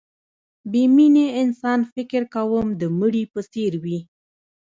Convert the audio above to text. بې مینې انسان فکر کوم د مړي په څېر وي